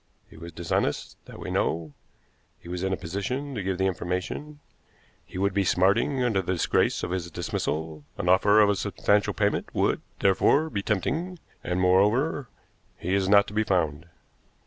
He was dishonest, that we know; he was in a position to give the information; he would be smarting under the disgrace of his dismissal; an offer of a substantial payment would, therefore, be tempting; and, moreover, he is not to be found."